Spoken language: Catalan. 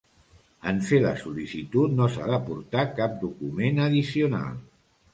En fer la sol·licitud no s'ha d'aportar cap document addicional.